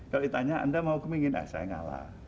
kalau ditanya anda mau kemingin ah saya ngalah